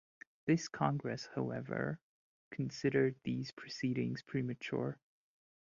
This Congress, however, considered these proceedings premature.